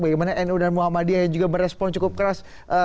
bagaimana nu dan muhammadiyah yang juga merespon cukup keras